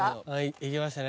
行きましたね